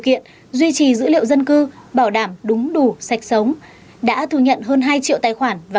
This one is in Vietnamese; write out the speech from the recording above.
kiện duy trì dữ liệu dân cư bảo đảm đúng đủ sạch sống đã thu nhận hơn hai triệu tài khoản và